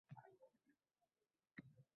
Hech qachon foydani o’ylamaydi.